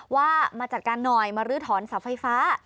ว่ามาจัดการหน่อยมาลื้อถอนเสาไฟฟ้า